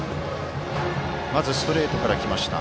まずストレートからきました。